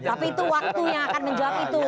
tapi itu waktunya akan menjawab itu